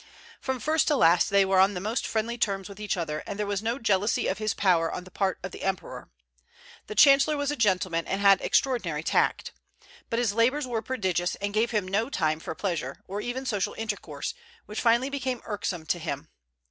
From first to last they were on the most friendly terms with each other, and there was no jealousy of his power on the part of the emperor. The chancellor was a gentleman, and had extraordinary tact. But his labors were prodigious, and gave him no time for pleasure, or even social intercourse, which finally became irksome to him.